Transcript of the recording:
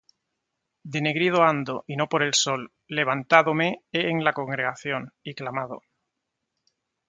Denegrido ando, y no por el sol: Levantádome he en la congregación, y clamado.